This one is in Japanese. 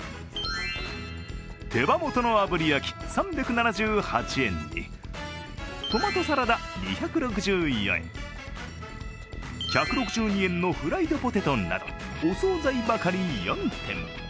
手羽元の炙り焼き３７８円にトマトサラダ２６４円１６２円のフライドポテトなどお総菜ばかり４点。